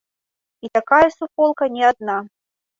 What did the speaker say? І такая суполка не адна.